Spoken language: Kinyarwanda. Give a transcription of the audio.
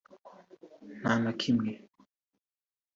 nta na kimwe